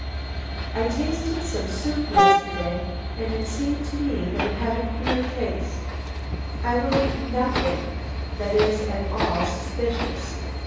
I tasted some soup yesterday, and it seemed to me that it had a queer taste. I will eat nothing that is at all suspicious.